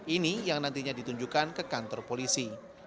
ini yang nantinya ditunjukkan ke kantor polisi